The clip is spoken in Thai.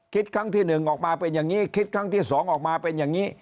คิดครั้งที่๑ออกมาเป็นอย่างนี้คิดครั้งที่๒ออกมาเป็นอย่างนี้